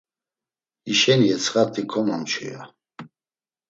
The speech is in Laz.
Hişeni etsxati komomçu, ya.